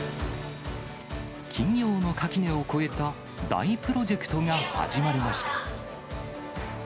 企業の垣根を越えた大プロジェクトが始まりました。